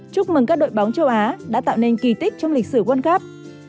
chúc mừng các đội bóng châu á đã tạo nên kỳ tích trong lịch sử world cup